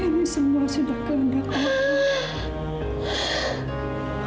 ini semua sudah kehendak allah